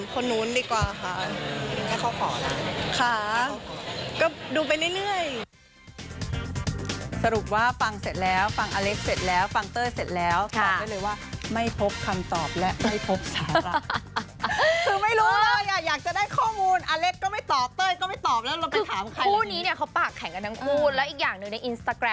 คุยเรื่องสถานะที่มันชัดเจนมากขึ้นแล้วอย่างไรค่ะ